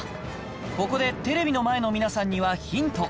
ここでテレビの前の皆さんにはヒント